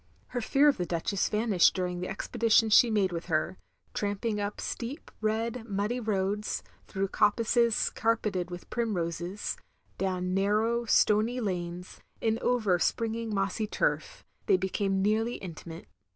Her fear of the Duchess vanished during the expeditions she made with her; tramping up steep, red, muddy roads, through coppices car peted with primroses, down narrow stony lanes, and over springing mossy ttirf, — ^they became very nearly intimate.